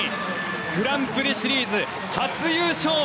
グランプリシリーズ初優勝。